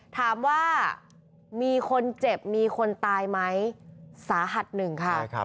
ถามว่ามีคนเจ็บมีคนตายไหมสาหัสหนึ่งค่ะ